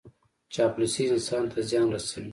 چاپلوسي انسان ته زیان رسوي.